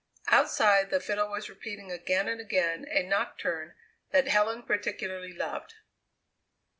Outside, the fiddle was repeating again and again a nocturne that Helen particularly loved.